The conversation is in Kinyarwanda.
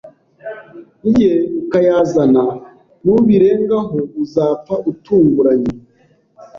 ye ukayazana, nubirengaho uzapfa utunguranye